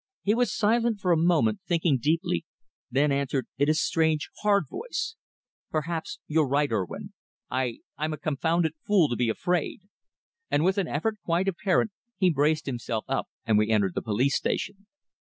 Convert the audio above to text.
He was silent for a moment, thinking deeply, then answered in a strange, hard voice, "Perhaps you're right, Urwin. I I'm a confounded fool to be afraid," and with an effort quite apparent he braced himself up and we entered the police station.